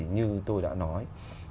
như tôi đã nói